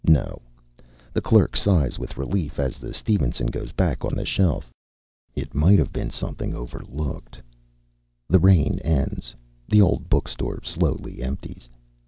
No. The clerk sighs with relief as the Stevenson goes back on the shelf. It might have been something overlooked. The rain ends. The old book store slowly empties.